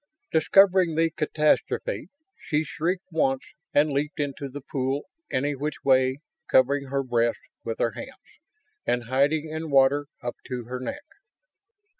Discovering the catastrophe, she shrieked once and leaped into the pool any which way, covering her breasts with her hands and hiding in water up to her neck.